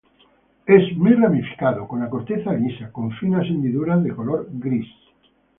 Es muy ramificado, con la corteza lisa, con finas hendiduras de color gris.